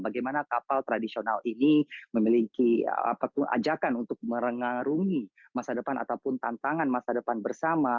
bagaimana kapal tradisional ini memiliki ajakan untuk merengarungi masa depan ataupun tantangan masa depan bersama